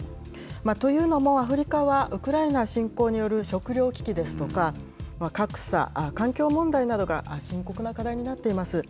というのも、アフリカはウクライナ侵攻による食糧危機ですとか、格差・環境問題などが深刻な課題になっています。